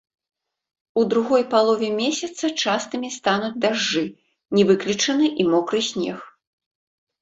У другой палове месяца частымі стануць дажджы, не выключаны і мокры снег.